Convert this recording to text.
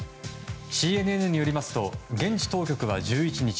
ＣＮＮによりますと現地当局は１１日